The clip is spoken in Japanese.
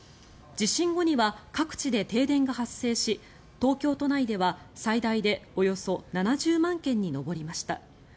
地震後には各地で停電が発生し東京都内では最大でおよそ７０万軒に上りました。